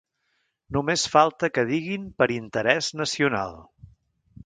Només falta que diguin per interès nacional.